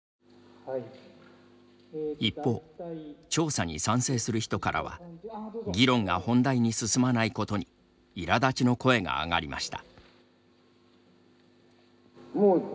一方、調査に賛成する人からは議論が本題に進まないことにいらだちの声が上がりました。